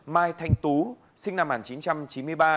mai thanh tú sinh năm một nghìn chín trăm chín mươi ba